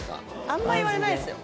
あんま言われないですよ。